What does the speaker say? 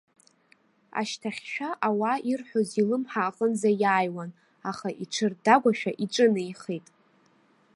Ашьҭахьшәа ауаа ирҳәоз илымҳа аҟынӡа иааиуан, аха иҽырдагәашәа иҿынеихеит.